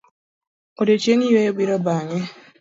Odiochieng' yueyo biro bang'e.